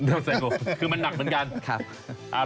เดี๋ยวใส่โกรธคือมันหนักเหมือนกัน